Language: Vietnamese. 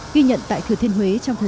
ghi nhận tại thừa thiên huế